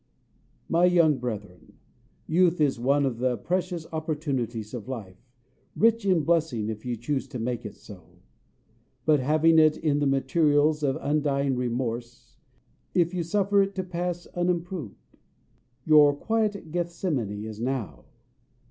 My young brethren youth is one of the precious opportunities of life rich in blessing if you choose to make it so; but having in it the materials of undying remorse if you suffer it to pass unimproved. Your quiet Gethsemane is now.